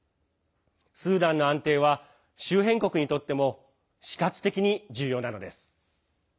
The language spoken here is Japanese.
スーダンの安定は周辺国にとっても死活的に重要なのです。